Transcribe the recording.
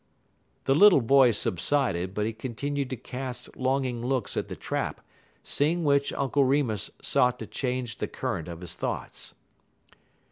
The little boy subsided, but he continued to cast longing looks at the trap, seeing which Uncle Remus sought to change the current of his thoughts.